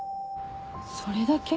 それだけ？